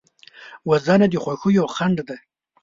وژنه د خوښیو خنډ ده